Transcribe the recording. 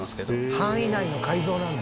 範囲内の改造なんだ。